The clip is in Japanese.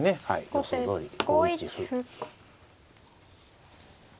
予想どおり５一歩。